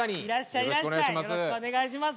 よろしくお願いします。